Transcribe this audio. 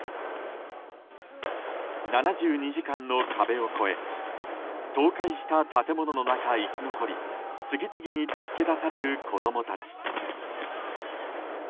７２時間の壁を超え倒壊した建物の中生き残り次々に助け出される子供たち。